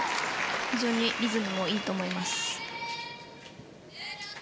非常にリズムもいいと思います。